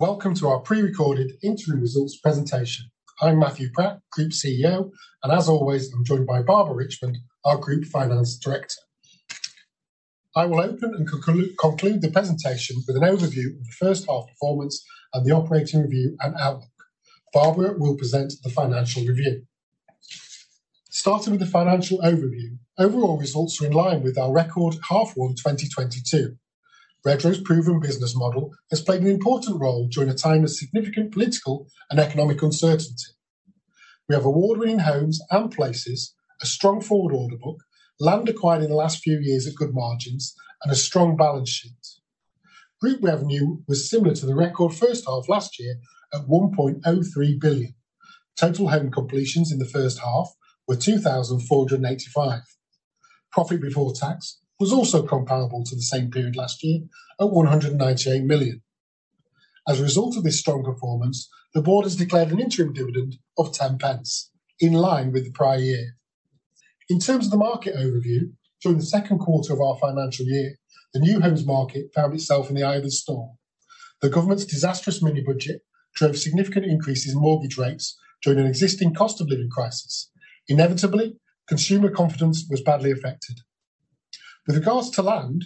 Welcome to our pre-recorded interim results presentation. I'm Matthew Pratt, Group CEO, and as always, I'm joined by Barbara Richmond, our Group Finance Director. I will open and conclude the presentation with an overview of the first half performance and the operating review and outlook. Barbara will present the financial review. Starting with the financial overview, overall results are in line with our record half 1 2022. Redrow's proven business model has played an important role during a time of significant political and economic uncertainty. We have award-winning homes and places, a strong forward order book, land acquired in the last few years at good margins, and a strong balance sheet. Group revenue was similar to the record first half last year at 1.03 billion. Total home completions in the first half were 2,485. Profit before tax was also comparable to the same period last year at 198 million. As a result of this strong performance, the board has declared an interim dividend of 10 pence, in line with the prior year. In terms of the market overview, during the second quarter of our financial year, the new homes market found itself in the eye of the storm. The government's disastrous mini-budget drove significant increases in mortgage rates during an existing cost of living crisis. Inevitably, consumer confidence was badly affected. With regards to land,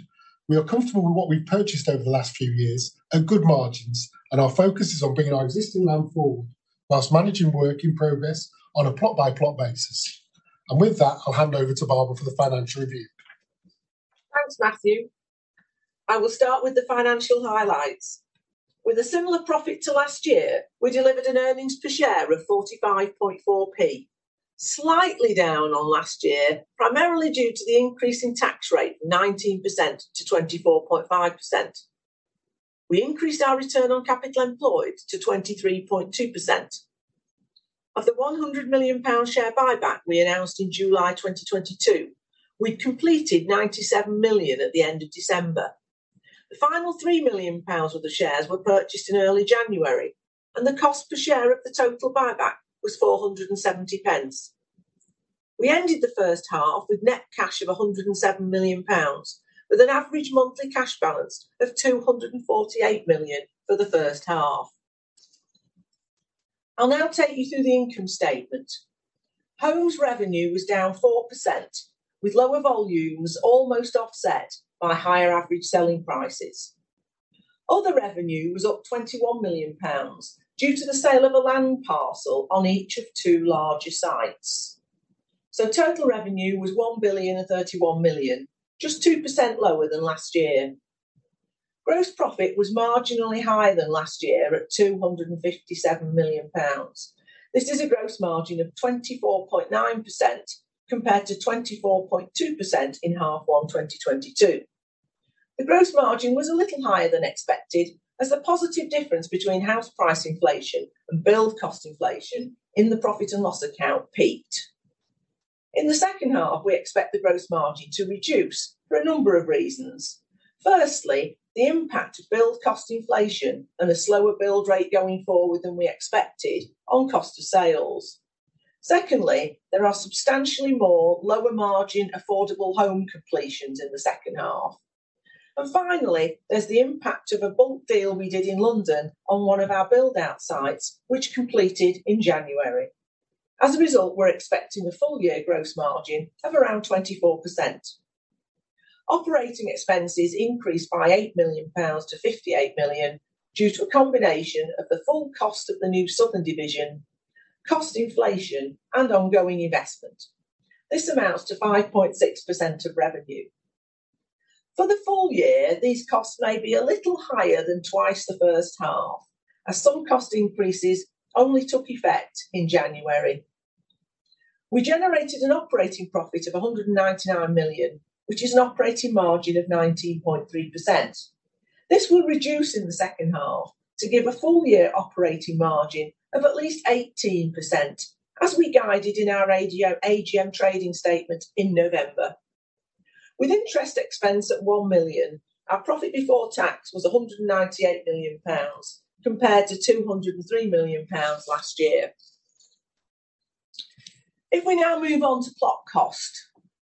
we are comfortable with what we've purchased over the last few years at good margins. Our focus is on bringing our existing land forward whilst managing work in progress on a plot-by-plot basis. With that, I'll hand over to Barbara for the financial review. Thanks, Matthew. I will start with the financial highlights. With a similar profit to last year, we delivered an earnings per share of 0.454, slightly down on last year, primarily due to the increase in tax rate 19%-24.5%. We increased our return on capital employed to 23.2%. Of the 100 million pound share buyback we announced in July 2022, we completed 97 million at the end of December. The final 3 million pounds of the shares were purchased in early January, and the cost per share of the total buyback was 4.70. We ended the first half with net cash of 107 million pounds, with an average monthly cash balance of 248 million for the first half. I'll now take you through the income statement. Homes revenue was down 4%, with lower volumes almost offset by higher average selling prices. Other revenue was up 21 million pounds due to the sale of a land parcel on each of two larger sites. Total revenue was 1,031 million, just 2% lower than last year. Gross profit was marginally higher than last year at 257 million pounds. This is a gross margin of 24.9% compared to 24.2% in half one of 2022. The gross margin was a little higher than expected as the positive difference between house price inflation and build cost inflation in the profit and loss account peaked. In the second half, we expect the gross margin to reduce for a number of reasons. Firstly, the impact of build cost inflation and a slower build rate going forward than we expected on cost of sales. Secondly, there are substantially more lower margin affordable home completions in the second half. Finally, there's the impact of a bulk deal we did in London on one of our build-out sites, which completed in January. As a result, we're expecting a full year gross margin of around 24%. Operating expenses increased by 8 million pounds to 58 million due to a combination of the full cost of the new southern division, cost inflation, and ongoing investment. This amounts to 5.6% of revenue. For the full year, these costs may be a little higher than twice the first half, as some cost increases only took effect in January. We generated an operating profit of 199 million, which is an operating margin of 19.3%. This will reduce in the second half to give a full year operating margin of at least 18%, as we guided in our AGM trading statement in November. With interest expense at 1 million, our profit before tax was 198 million pounds compared to 203 million pounds last year. We now move on to plot cost.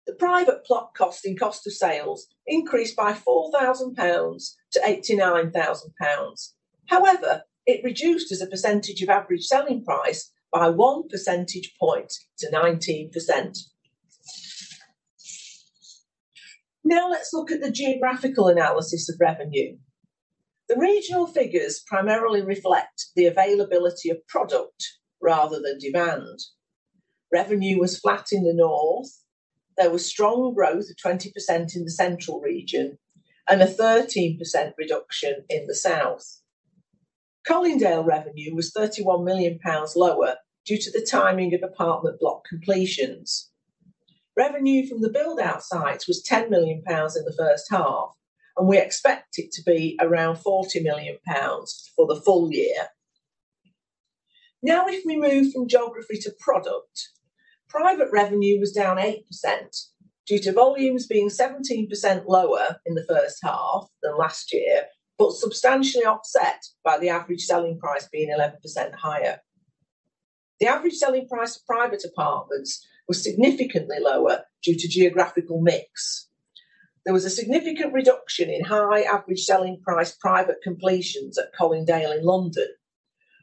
The private plot cost and cost of sales increased by 4,000-89,000 pounds. It reduced as a percentage of average selling price by one percentage point to 19%. Let's look at the geographical analysis of revenue. The regional figures primarily reflect the availability of product rather than demand. Revenue was flat in the North. There was strong growth of 20% in the Central region and a 13% reduction in the South. Colindale revenue was 31 million pounds lower due to the timing of apartment block completions. Revenue from the build-out sites was 10 million pounds in the first half, and we expect it to be around 40 million pounds for the full year. If we move from geography to product. Private revenue was down 8% due to volumes being 17% lower in the first half than last year, but substantially offset by the average selling price being 11% higher. The average selling price of private apartments was significantly lower due to geographical mix. There was a significant reduction in high average selling price private completions at Colindale in London,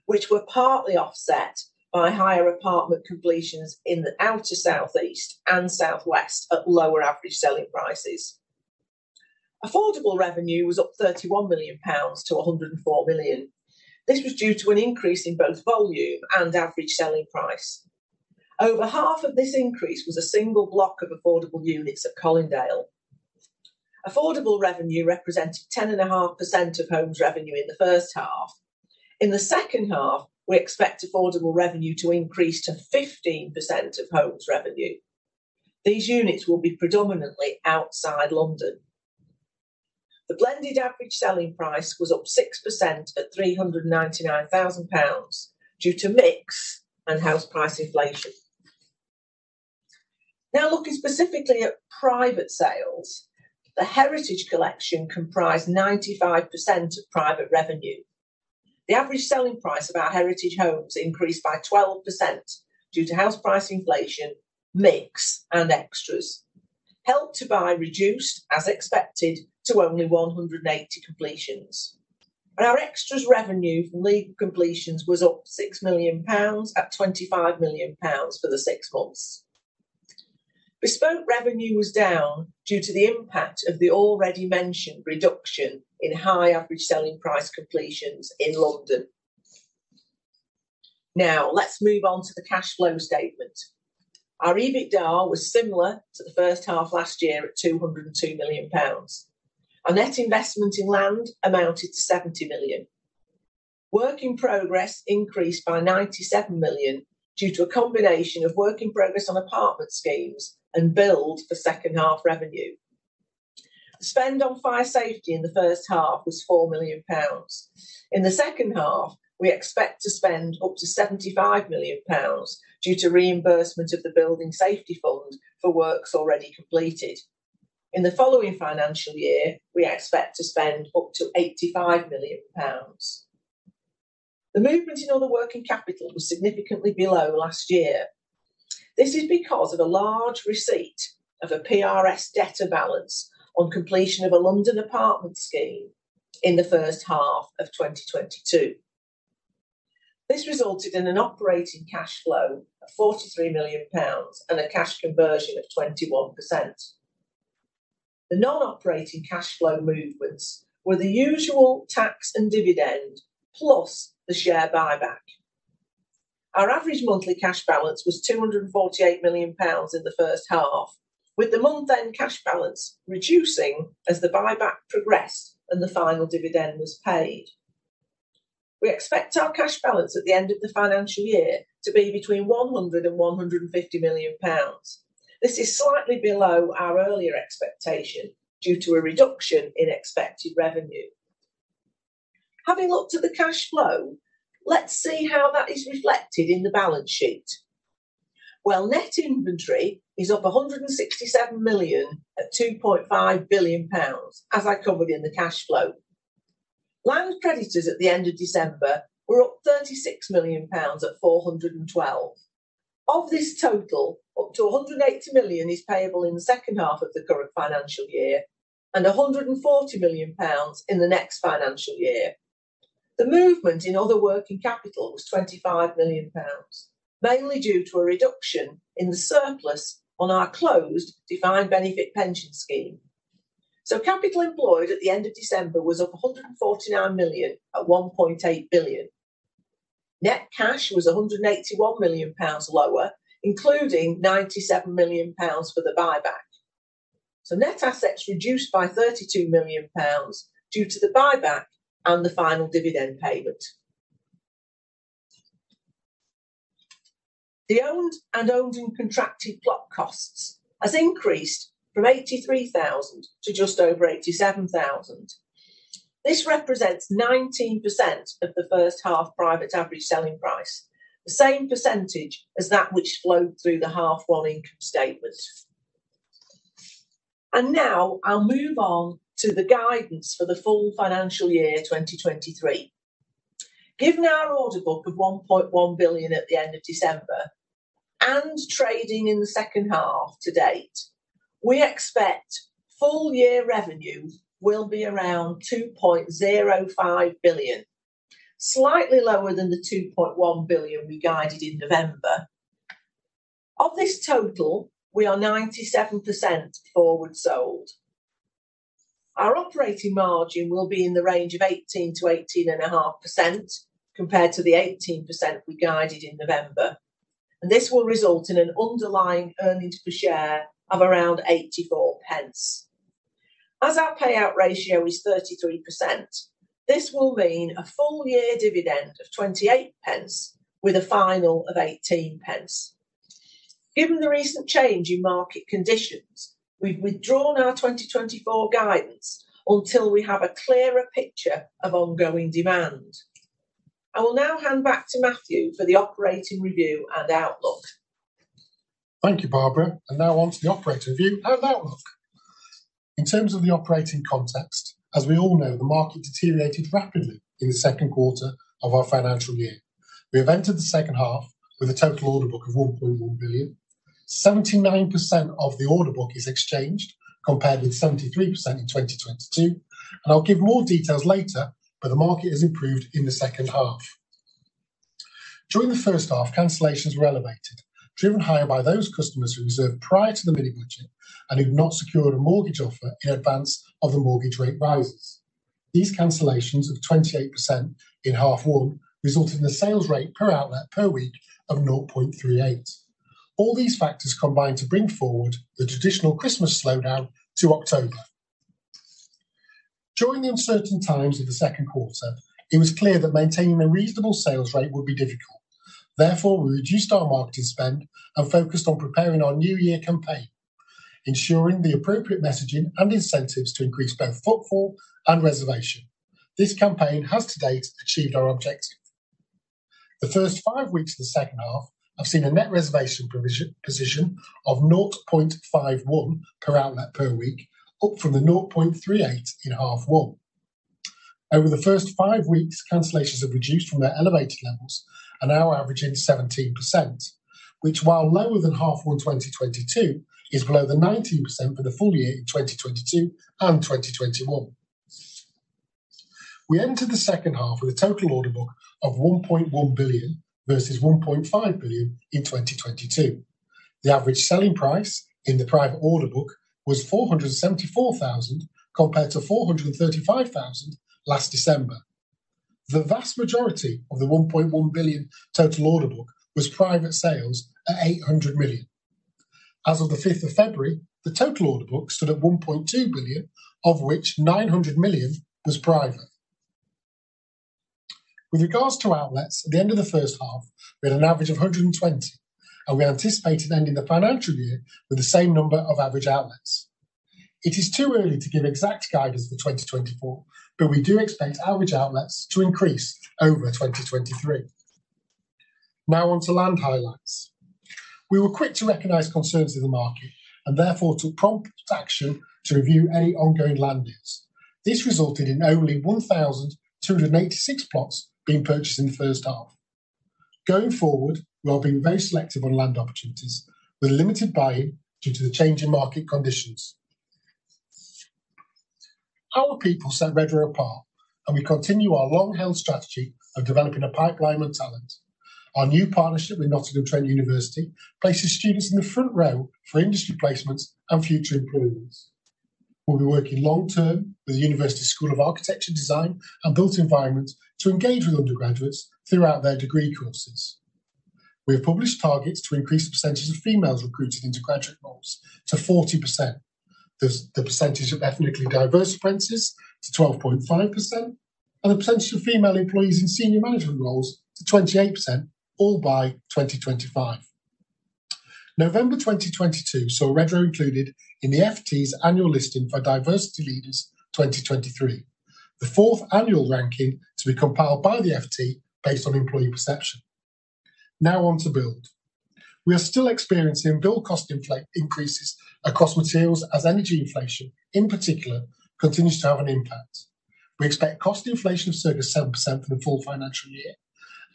which were partly offset by higher apartment completions in the outer southeast and southwest at lower average selling prices. Affordable revenue was up 31 million pounds to 104 million. This was due to an increase in both volume and average selling price. Over half of this increase was a single block of affordable units at Colindale. Affordable revenue represented 10.5% of homes revenue in the first half. In the second half, we expect affordable revenue to increase to 15% of homes revenue. These units will be predominantly outside London. The blended average selling price was up 6% at 399,000 pounds due to mix and house price inflation. Now, looking specifically at private sales, the Heritage Collection comprised 95% of private revenue. The average selling price of our Heritage homes increased by 12% due to house price inflation, mix, and extras. Help to Buy reduced as expected to only 180 completions. Our extras revenue from legal completions was up 6 million pounds at 25 million pounds for the six months. Bespoke revenue was down due to the impact of the already mentioned reduction in high average selling price completions in London. Let's move on to the cash flow statement. Our EBITDA was similar to the first half last year at 202 million pounds. Our net investment in land amounted to 70 million. Work in progress increased by 97 million due to a combination of work in progress on apartment schemes and build for second half revenue. Spend on fire safety in the first half was 4 million pounds. In the second half, we expect to spend up to 75 million pounds due to reimbursement of the Building Safety Fund for works already completed. In the following financial year, we expect to spend up to 85 million pounds. The movement in all the working capital was significantly below last year. This is because of a large receipt of a PRS debtor balance on completion of a London apartment scheme in the first half of 2022. This resulted in an operating cash flow of 43 million pounds and a cash conversion of 21%. The non-operating cash flow movements were the usual tax and dividend, plus the share buyback. Our average monthly cash balance was 248 million pounds in the first half, with the month-end cash balance reducing as the buyback progressed and the final dividend was paid. We expect our cash balance at the end of the financial year to be between 100 million pounds and GBP 150 million. This is slightly below our earlier expectation due to a reduction in expected revenue. Having looked at the cash flow, let's see how that is reflected in the balance sheet. Net inventory is up 167 million at 2.5 billion pounds, as I covered in the cash flow. Land creditors at the end of December were up 36 million pounds at 412 million. Of this total, up to 180 million is payable in the second half of the current financial year and 140 million pounds in the next financial year. The movement in other working capital was 25 million pounds, mainly due to a reduction in the surplus on our closed defined benefit pension scheme. Capital employed at the end of December was up 149 million at 1.8 billion. Net cash was 181 million pounds lower, including 97 million pounds for the buyback. Net assets reduced by 32 million pounds due to the buyback and the final dividend payment. The owned and contracted plot costs has increased from 83,000 to just over 87,000. This represents 19% of the first half private average selling price, the same percentage as that which flowed through the half one income statement. Now I'll move on to the guidance for the full financial year 2023. Given our order book of 1.1 billion at the end of December and trading in the second half to date, we expect full year revenue will be around 2.05 billion, slightly lower than the 2.1 billion we guided in November. Of this total, we are 97% forward sold. Our operating margin will be in the range of 18%-18.5%, compared to the 18% we guided in November. This will result in an underlying earnings per share of around 0.84. As our payout ratio is 33%, this will mean a full year dividend of 0.28 with a final of 0.18. Given the recent change in market conditions, we've withdrawn our 2024 guidance until we have a clearer picture of ongoing demand. I will now hand back to Matthew for the operating review and outlook. Thank you, Barbara. Now on to the operator view and outlook. In terms of the operating context, as we all know, the market deteriorated rapidly in the second quarter of our financial year. We have entered the second half with a total order book of 1.1 billion. 79% of the order book is exchanged, compared with 73% in 2022. I'll give more details later, but the market has improved in the second half. During the first half, cancellations were elevated, driven higher by those customers who reserved prior to the mini-budget and who've not secured a mortgage offer in advance of the mortgage rate rises. These cancellations of 28% in half one resulted in a sales rate per outlet per week of 0.38. All these factors combined to bring forward the traditional Christmas slowdown to October. During the uncertain times of the second quarter, it was clear that maintaining a reasonable sales rate would be difficult. Therefore, we reduced our marketing spend and focused on preparing our new year campaign, ensuring the appropriate messaging and incentives to increase both footfall and reservation. This campaign has to date achieved our objective. The first five weeks of the second half have seen a net reservation position of 0.51 per outlet per week, up from the 0.38 in half one. Over the first five weeks, cancellations have reduced from their elevated levels and are now averaging 17%, which while lower than half one 2022, is below the 19% for the full year in 2022 and 2021. We entered the second half with a total order book of 1.1 billion versus 1.5 billion in 2022. The average selling price in the private order book was 474,000 compared to 435,000 last December. The vast majority of the 1.1 billion total order book was private sales at 800 million. As of the 5th of February, the total order book stood at 1.2 billion, of which 900 million was private. With regards to outlets, at the end of the first half, we had an average of 120, and we anticipated ending the financial year with the same number of average outlets. It is too early to give exact guidance for 2024, but we do expect average outlets to increase over 2023. On to land highlights. We were quick to recognize concerns in the market and therefore took prompt action to review any ongoing land deals. This resulted in only 1,286 plots being purchased in the first half. Going forward, we will be very selective on land opportunities with limited buying due to the change in market conditions. Our people set Redrow apart, and we continue our long-held strategy of developing a pipeline of talent. Our new partnership with Nottingham Trent University places students in the front row for industry placements and future employments. We'll be working long term with the university's School of Architecture, Design and the Built Environment to engage with undergraduates throughout their degree courses. We have published targets to increase the percentage of females recruited into graduate roles to 40%. The percentage of ethnically diverse apprentices to 12.5%, and the percentage of female employees in senior management roles to 28%, all by 2025. November 2022 saw Redrow included in the FT's annual listing for Diversity Leaders 2023, the fourth annual ranking to be compiled by the FT based on employee perception. Now on to build. We are still experiencing build cost increases across materials as energy inflation, in particular, continues to have an impact. We expect cost inflation of circa 7% for the full financial year.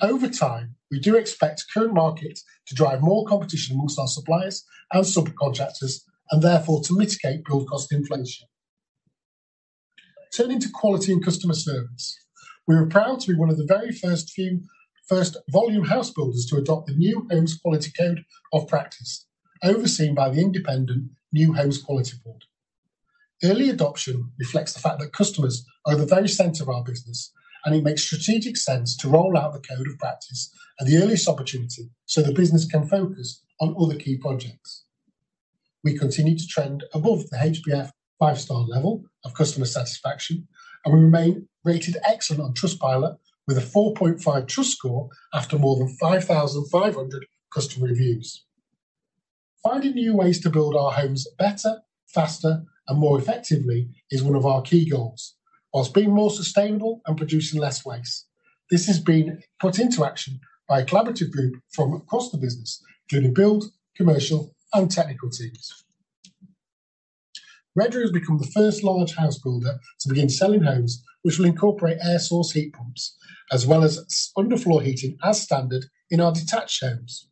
Over time, we do expect current market to drive more competition amongst our suppliers and subcontractors, and therefore to mitigate build cost inflation. Turning to quality and customer service. We are proud to be one of the very first volume house builders to adopt the New Homes Quality Code of practice, overseen by the independent New Homes Quality Board. Early adoption reflects the fact that customers are the very center of our business. It makes strategic sense to roll out the code of practice at the earliest opportunity. The business can focus on other key projects. We continue to trend above the HBF five-star level of customer satisfaction. We remain rated excellent on Trustpilot with a 4.5 TrustScore after more than 5,500 customer reviews. Finding new ways to build our homes better, faster, and more effectively is one of our key goals, whilst being more sustainable and producing less waste. This has been put into action by a collaborative group from across the business during the build, commercial, and technical teams. Redrow has become the first large house builder to begin selling homes, which will incorporate air-source heat pumps as well as underfloor heating as standard in our detached homes.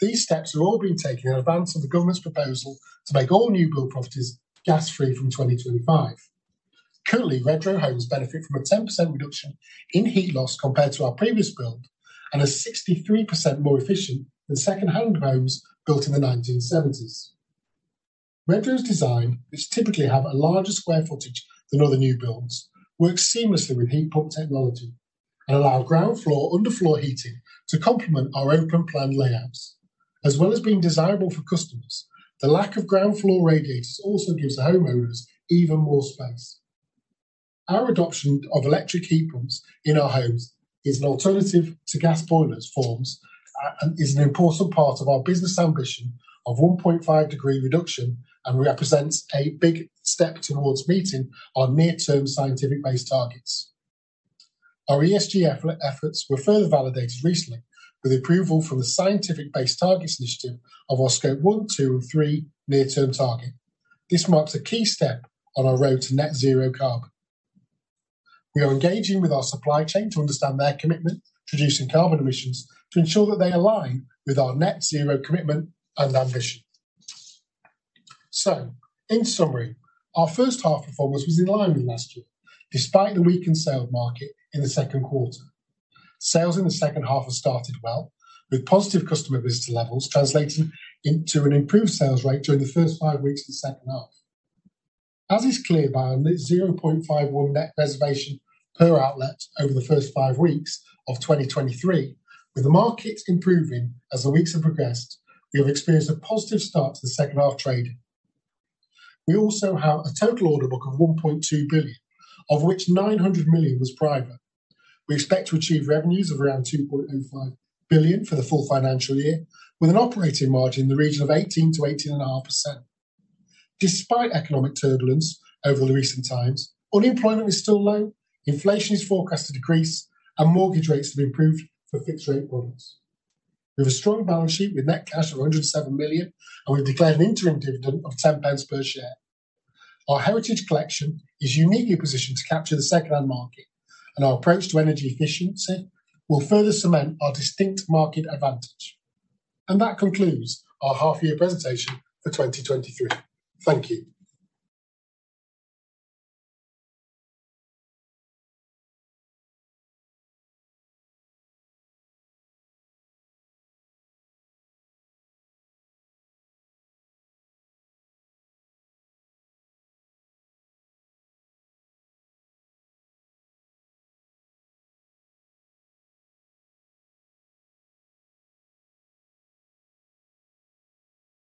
These steps have all been taken in advance of the government's proposal to make all new build properties gas-free from 2025. Currently, Redrow homes benefit from a 10% reduction in heat loss compared to our previous build and are 63% more efficient than second-hand homes built in the 1970s. Redrow's design, which typically have a larger square footage than other new builds, works seamlessly with heat pump technology and allow ground floor underfloor heating to complement our open-plan layouts. As well as being desirable for customers, the lack of ground floor radiators also gives the homeowners even more space. Our adoption of electric heat pumps in our homes is an alternative to gas boilers forms, and is an important part of our business ambition of 1.5 degree reduction and represents a big step towards meeting our near-term Science Based Targets. Our ESG efforts were further validated recently with approval from the Science Based Targets initiative of our scope one, two and three near-term target. This marks a key step on our road to net zero carbon. We are engaging with our supply chain to understand their commitment to reducing carbon emissions to ensure that they align with our net zero commitment and ambition. In summary, our first half performance was in line with last year despite the weakened sales market in the second quarter. Sales in the second half have started well, with positive customer visitor levels translating into an improved sales rate during the first five weeks of the second half. As is clear by our net 0.51 net reservation per outlet over the first five weeks of 2023, with the market improving as the weeks have progressed, we have experienced a positive start to the second half trading. We also have a total order book of 1.2 billion, of which 900 million was private. We expect to achieve revenues of around 2.05 billion for the full financial year, with an operating margin in the region of 18%-18.5%. Despite economic turbulence over the recent times, unemployment is still low, inflation is forecast to decrease, and mortgage rates have improved for fixed-rate borrowers. We have a strong balance sheet with net cash of 107 million, and we've declared an interim dividend of 10 pence per share. Our Heritage Collection is uniquely positioned to capture the second-hand market, and our approach to energy efficiency will further cement our distinct market advantage. That concludes our half year presentation for 2023. Thank you.